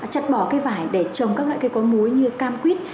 chặt bỏ cây vải để trồng các loại cây có múi như cam quýt